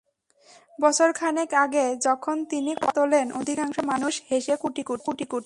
বছর খানেক আগে যখন তিনি কথাটা তোলেন, অধিকাংশ মানুষ হেসে কুটিকুটি।